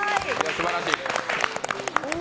すばらしい！